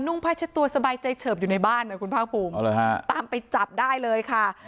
ผ้าเช็ดตัวสบายใจเฉิบอยู่ในบ้านนะคุณภาคภูมิตามไปจับได้เลยค่ะ